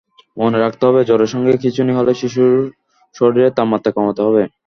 মনে রাখতে হবে, জ্বরের সঙ্গে খিঁচুনি হলে শিশুর শরীরের তাপমাত্রা কমাতে হবে।